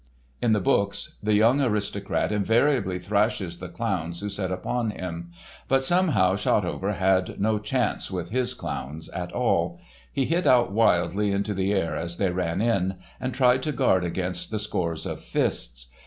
In the books, the young aristocrat invariably thrashes the clowns who set upon him. But somehow Shotover had no chance with his clowns at all. He hit out wildly into the air as they ran in, and tried to guard against the scores of fists.